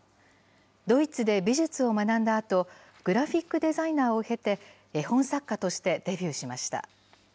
ドイツで美術を学んだあと、グラフィックデザイナーを経て、絵本作家としてデビューしました。